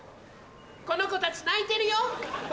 この子たち泣いてるよ。